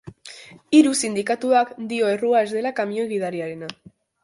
Hiru sindikatuak dio errua ez dela kamioi-gidariena.